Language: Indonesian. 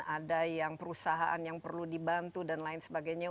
ada yang perusahaan yang perlu dibantu dan lain sebagainya